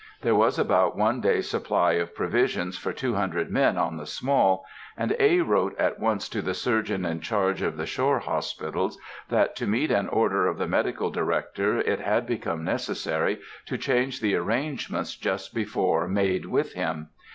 There was about one day's supply of provisions for two hundred men on the Small, and A. wrote at once to the surgeon in charge of the shore hospitals, that, to meet an order of the Medical Director, it had become necessary to change the arrangements just before made with him.